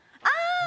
ああ！